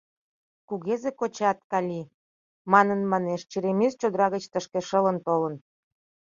«Кугезе кочат, Калий, — манын манеш, — черемис чодыра гыч тышке шылын толын.